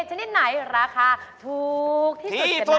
ชนิดไหนราคาทูกที่สุดจะนะ